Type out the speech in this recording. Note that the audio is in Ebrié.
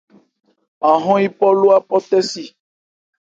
An hɔ́n yípɔ ló áphɔtɛ́si.